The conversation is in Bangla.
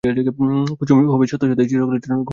কুসুম তবে সত্য সত্যই যাইবে চিরকালের জন্য গাওদিয়া ছাড়িয়া?